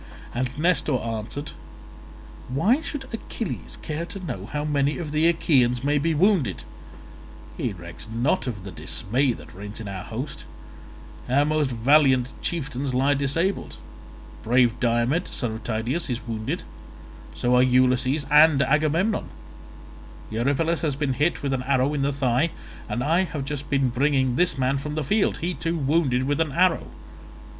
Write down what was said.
And Nestor answered, "Why should Achilles care to know how many of the Achaeans may be wounded? He recks not of the dismay that reigns in our host; our most valiant chieftains lie disabled, brave Diomed, son of Tydeus, is wounded; so are Ulysses and Agamemnon; Eurypylus has been hit with an arrow in the thigh, and I have just been bringing this man from the field—he too wounded with an arrow.